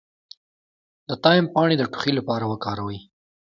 د تایم پاڼې د ټوخي لپاره وکاروئ